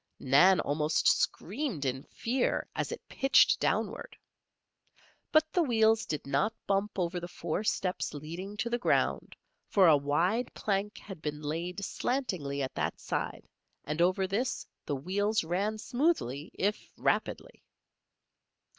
Nan almost screamed in fear as it pitched downward. But the wheels did not bump over the four steps leading to the ground, for a wide plank had been laid slantingly at that side, and over this the wheels ran smoothly, if rapidly.